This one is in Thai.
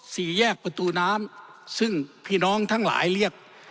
สี่แยกประตูน้ำซึ่งพี่น้องทั้งหลายเรียก